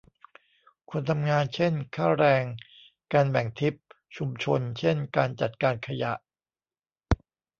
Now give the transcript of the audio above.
คนทำงานเช่น ค่าแรง การแบ่งทิป ชุมชนเช่น การจัดการขยะ